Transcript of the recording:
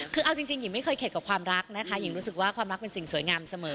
คือเอาจริงหญิงไม่เคยเข็ดกับความรักนะคะหญิงรู้สึกว่าความรักเป็นสิ่งสวยงามเสมอ